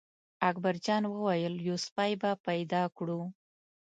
اکبر جان وویل: یو سپی به پیدا کړو.